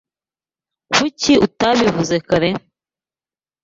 Kuki utabivuze kare?